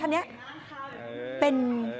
โห